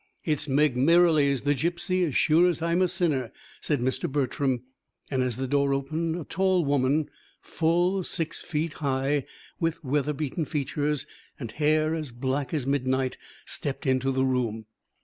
"It's Meg Merrilies, the gipsy, as sure as I'm a sinner," said Mr. Bertram; and, as the door opened, a tall woman, full six feet high, with weather beaten features and hair as black as midnight, stepped into the room.